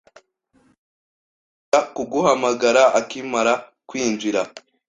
Nzabwira kuguhamagara akimara kwinjira.